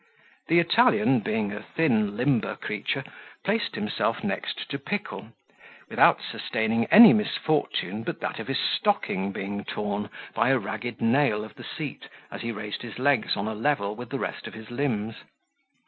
The Italian, being a thin limber creature, planted himself next to Pickle, without sustaining any misfortune but that of his stocking being torn by a ragged nail of the seat, as he raised his legs on a level with the rest of his limbs.